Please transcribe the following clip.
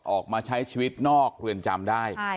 ออกมาใช้ชีวิตนอกเรือนจำได้